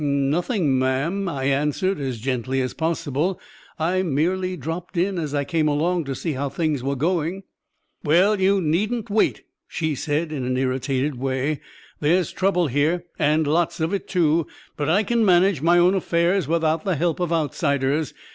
"'Nothing, ma'am,' I answered as gently as possible. 'I merely dropped in, as I came along, to see how things were going.' "'Well, you needn't wait,' she said in an irritated way; 'there's trouble here, and lots of it, too, but I kin manage my own affairs without the help of outsiders.